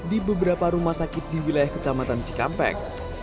di beberapa rumah sakit di wilayah kecamatan cikampek